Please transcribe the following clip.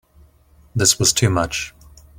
This was too much.